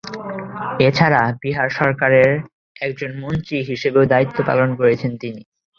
এছাড়া, বিহার সরকারের একজন মন্ত্রী হিসেবেও দায়িত্ব পালন করেছেন তিনি।